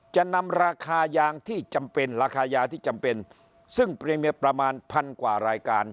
จะนำราคายางที่จำเป็นราคายางที่จำเป็นซึ่งเป็นเมียประมาณพันกว่ารายการ